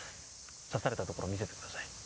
刺されたところ見せてください